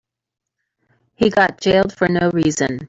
He got jailed for no reason.